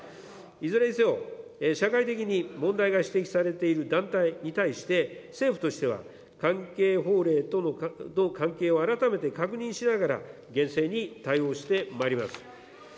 いずれにせよ、社会的に問題が指摘されている団体に対して、政府としては関係法令等の関係を改めて確認しながら、厳正に対応してまいります。